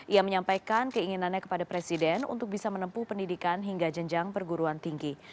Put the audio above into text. ia menyampaikan keinginannya kepada presiden untuk bisa menempuh pendidikan hingga jenjang perguruan tinggi